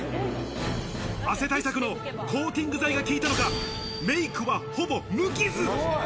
汗対策のコーティング剤が効いたのか、メイクはほぼ無傷。